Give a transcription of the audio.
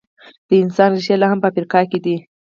د انسان ریښې لا هم په افریقا کې دي.